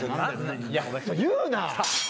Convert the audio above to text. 言うな！